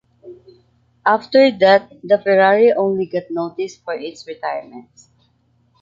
After that the Ferrari only got noticed for its retirements.